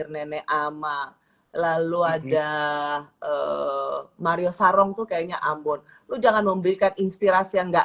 nenek ama lalu ada mario sarong tuh kayaknya ambon lo jangan memberikan inspirasi yang enggak